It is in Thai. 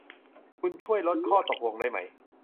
คุณช่วยลดข้อตกลงได้ไหม ?